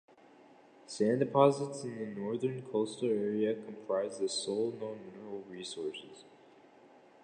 Sand deposits in the northern coastal area comprise the sole known mineral resources.